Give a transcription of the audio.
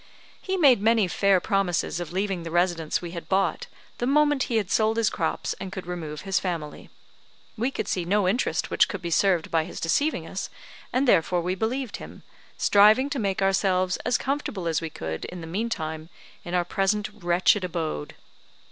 He made many fair promises of leaving the residence we had bought, the moment he had sold his crops and could remove his family. We could see no interest which could be served by his deceiving us, and therefore we believed him, striving to make ourselves as comfortable as we could in the meantime in our present wretched abode.